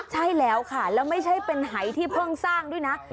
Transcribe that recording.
ใช่แล้วค่ะแล้วไม่ใช่เป็นหายที่เพิ่งสร้างด้วยนะ